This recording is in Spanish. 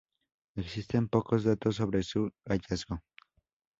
Existen pocos datos sobre su hallazgo.